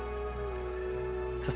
dan mohonlah pertolongan